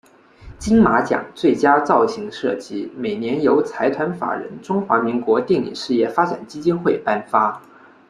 金马奖最佳造型设计每年由财团法人中华民国电影事业发展基金会颁发。